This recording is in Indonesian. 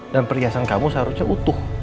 dan perhiasan kamu seharusnya utuh